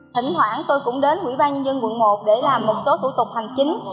thỉnh thoảng tôi cũng đến quỹ ban nhân dân quận một để làm một số thủ tục hành chính